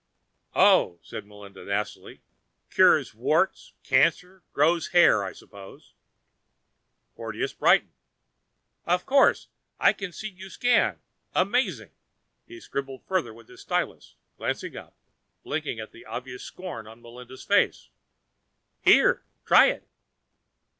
"Oh," said Melinda nastily. "Cures warts, cancer, grows hair, I suppose." Porteous brightened. "Of course. I see you can scan. Amazing." He scribbled further with his stylus, glanced up, blinked at the obvious scorn on Melinda's face. "Here. Try it."